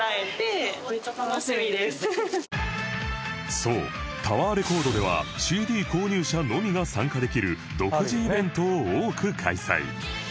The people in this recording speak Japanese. そうタワーレコードでは ＣＤ 購入者のみが参加できる独自イベントを多く開催